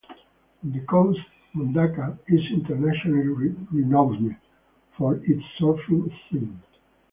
On the coast, Mundaka is internationally renowned for its surfing scene.